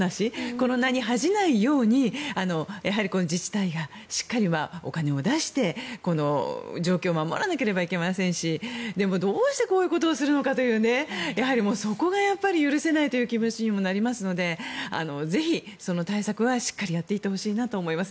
この名に恥じないように自治体がしっかりお金を出してこの状況を守らなければいけませんしでも、どうしてこういうことをするのかというそこが許せないという気持ちにもなりますのでぜひその対策はしっかりやっていってほしいと思います。